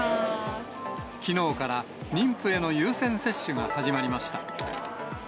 きのうから妊婦への優先接種が始まりました。